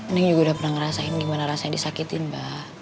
ini juga udah pernah ngerasain gimana rasanya disakitin mbak